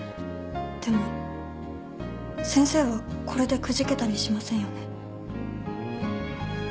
でも先生はこれでくじけたりしませんよね